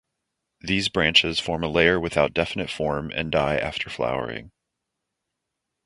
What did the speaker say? These branches form a layer without definite form and die after flowering.